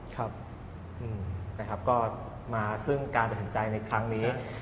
ครับก็มาซึ่งการกำหนดใจแน็ตครั้งนี้